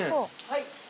はい。